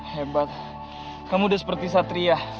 hebat kamu udah seperti satria